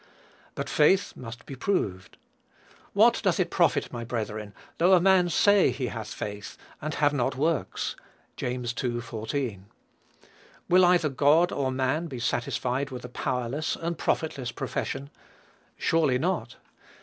But faith must be proved. "What doth it profit, my brethren, though a man say he hath faith, and have not works?" (James ii. 14.) Will either God or man be satisfied with a powerless and profitless profession? Surely not.